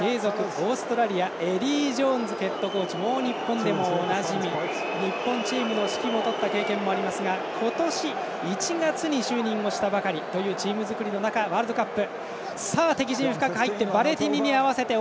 オーストラリアエディー・ジョーンズヘッドコーチは日本でもおなじみ日本チームの指揮を執った経験もありますが今年１月に就任したばかりというチーム作りの中ワールドカップ。